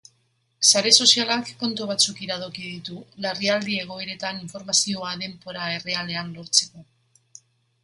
Sare sozialak kontu batzuk iradoki ditu, larrialdi egoeretan informazioa denbora errealean lortzeko.